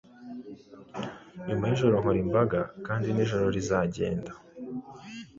Nyuma y'ijoro nkora imbaga, Kandi nijoro rizagenda;